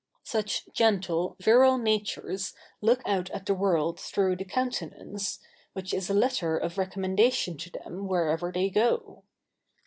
] Such gentle, virile natures look out at the world through the countenance, which is a letter of recommendation to them wherever they go.